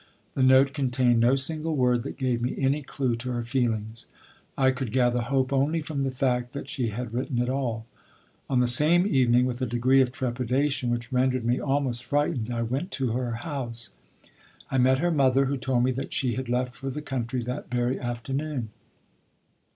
The note contained no single word that gave me any clue to her feelings. I could gather hope only from the fact that she had written at all. On the same evening, with a degree of trepidation which rendered me almost frightened, I went to her house. I met her mother, who told me that she had left for the country that very afternoon.